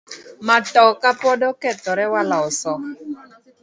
Matoka pod okethore waloso.